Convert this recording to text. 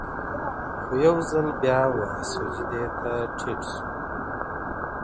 خو يو ځل بيا وسجدې ته ټيټ سو.